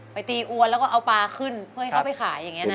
ตีอวนแล้วก็เอาปลาขึ้นเพื่อให้เขาไปขายอย่างนี้นะ